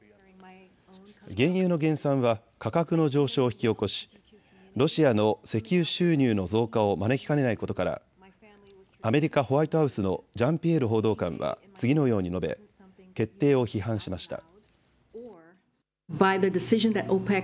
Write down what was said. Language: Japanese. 原油の減産は価格の上昇を引き起こしロシアの石油収入の増加を招きかねないことからアメリカ・ホワイトハウスのジャンピエール報道官は次のように述べ決定を批判しました。